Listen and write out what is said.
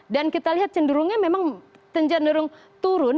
dan kita lihat cenderungnya memang tenjenderung turun